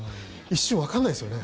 一瞬、わからないですよね。